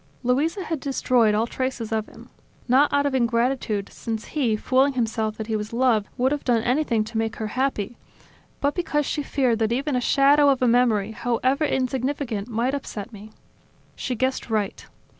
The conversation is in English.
Luisa had destroyed all traces of him. Not out of ingratitude, since he, fooling himself that he was loved, would have done anything to make her happy; but because she feared that even a shadow of a memory, however insignificant, might upset me. She guessed right.